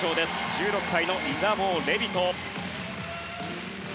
１６歳のイザボー・レビト。